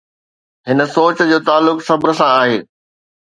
هن سوچ جو تعلق صبر سان آهي.